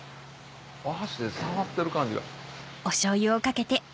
お箸で触ってる感じが。